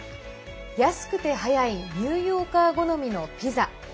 安くて早いニューヨーカー好みのピザ。